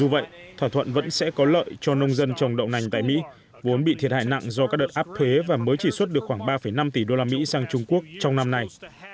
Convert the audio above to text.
vậy thỏa thuận vẫn sẽ có lợi cho nông dân trồng đậu nành tại mỹ vốn bị thiệt hại nặng do các đợt áp thuế và mới chỉ xuất được khoảng ba năm tỷ usd sang trung quốc trong năm nay